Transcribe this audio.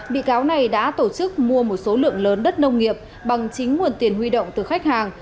bị cáo này đã tổ chức mua một số lượng lớn đất nông nghiệp bằng chính nguồn tiền huy động từ khách hàng